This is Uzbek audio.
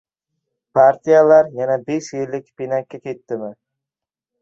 Partiyalar yana besh yillik pinakka ketdimi?!